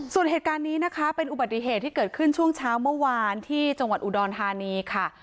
ส่วนเหตุการณ์นี้นะคะเป็นอุบัติเหตุที่เกิดขึ้นช่วงเช้าเมื่อวานที่จังหวัดอุดรธานีค่ะ